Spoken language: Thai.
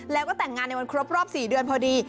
แล้วก็แต่งงานในวันครบรอบ๔เดือนพอดี